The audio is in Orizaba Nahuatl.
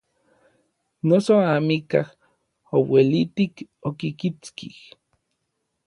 Noso amikaj ouelitik okikitskij.